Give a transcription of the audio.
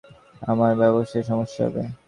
আমার ব্যবসায় সমস্যা হবে।